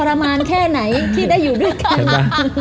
ประมาณแค่ไหนที่ได้อยู่ด้วยกัน